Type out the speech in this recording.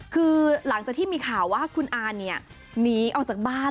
คือหลังจากที่มีข่าวว่าคุณอาเนี่ยหนีออกจากบ้าน